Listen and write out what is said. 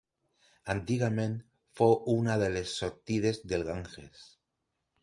Antigament fou una de les sortides del Ganges.